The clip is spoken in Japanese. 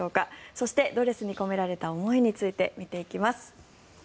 そして、ドレスに込められた思いについて見ていきます。